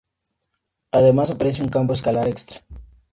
Además aparece un campo escalar extra.